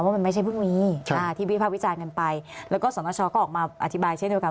ว่ามันไม่ใช่พรุ่งนี้ที่วิภาควิจารณ์กันไปแล้วก็สนชก็ออกมาอธิบายเช่นเดียวกัน